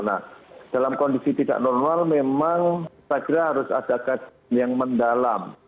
nah dalam kondisi tidak normal memang saya kira harus ada kajian yang mendalam